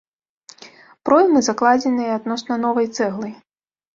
Проймы закладзеныя адносна новай цэглай.